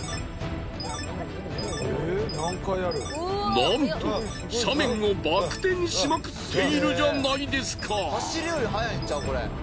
なんと斜面をバク転しまくっているじゃないですか。